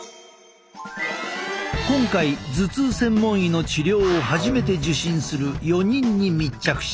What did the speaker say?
今回頭痛専門医の治療を初めて受診する４人に密着した。